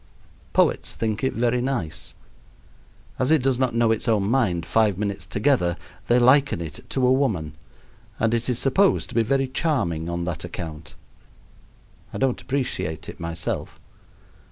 Poets think it very nice. As it does not know its own mind five minutes together, they liken it to a woman; and it is supposed to be very charming on that account. I don't appreciate it, myself.